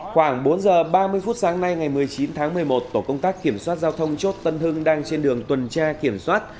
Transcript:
khoảng bốn giờ ba mươi phút sáng nay ngày một mươi chín tháng một mươi một tổ công tác kiểm soát giao thông chốt tân hưng đang trên đường tuần tra kiểm soát